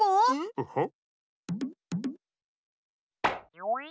ウホッ。